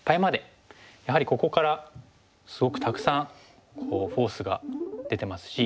やはりここからすごくたくさんこうフォースが出てますし。